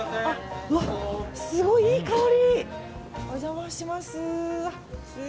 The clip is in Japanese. すごいいい香り！